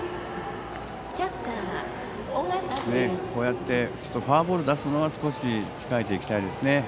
こうやってフォアボールを出すのは少し控えていきたいですね。